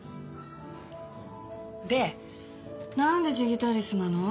でなんでジギタリスなの？